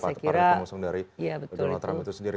seperti para pengusung dari donald trump itu sendiri